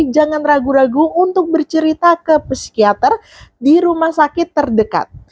jangan ragu ragu untuk bercerita ke psikiater di rumah sakit terdekat